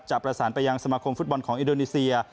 ประสานไปยังสมาคมฟุตบอลของอินโดนีเซีย